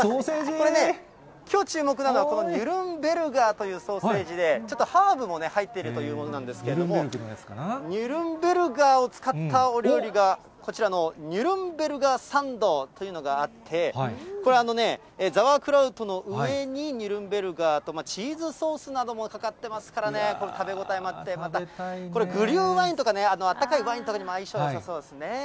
これね、きょう注目なのは、このニュルンベルガーというソーセージで、ちょっとハーブも入っているというものなんですけれども、ニュルンベルガーを使ったお料理が、こちらのニュルンベルガーサンドというのがあって、これ、あのね、ザワークラウトの上にニュルンベルガーとチーズソースなどもかかってますからね、これ、食べ応えもあって、また、これグリューワインとかね、あったかいワインとも相性がよさそうですね。